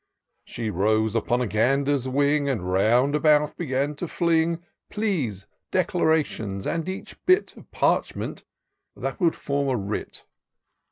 She rose upon a gander's wing, And round about began to fling Pleas, Declarations, and each bit Of parchment that could form a writ.